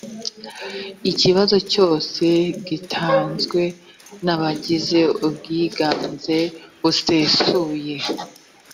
kibazo cyose gitanzwe n abagize ubwiganze busesuye